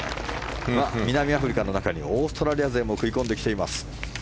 南アフリカの中にオーストラリア勢も食い込んできています。